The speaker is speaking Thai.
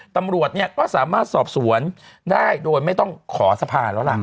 ตำรวจเนี่ยก็สามารถสอบสวนได้โดยไม่ต้องขอสะพานแล้วล่ะ